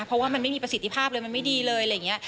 เพราะว่ามันไม่มีประสิทธิภาพเลยมันไม่ดีเลยอะไรอย่างนี้